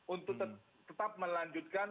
untuk tetap melanjutkan